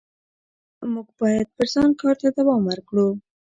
موږ باید پر ځان کار ته دوام ورکړو